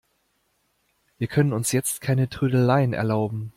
Wir können uns jetzt keine Trödeleien erlauben.